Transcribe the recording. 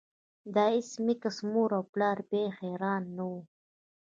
د ایس میکس مور او پلار بیا حیران نه وو